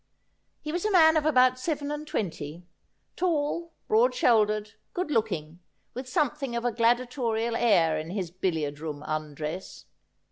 61 He was a man of about seven and twenty, tall, broad shoul dered, good looking, with something of a gladiatorial air in his billiard room undress.